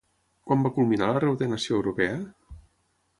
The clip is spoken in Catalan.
Quan va culminar la reordenació europea?